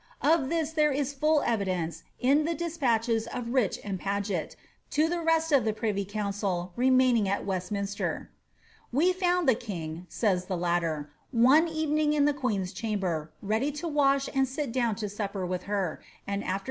Of this there is full evidence in the despatches of Rich and Paget' to the rest of the privy council 'remaining at Westminster. " We found the king," says the latter, ^ one evening in the queen's chamber, ready to wash and sit down to supper with her, and afUr supper liis grace returned ' Collins' Peenifre.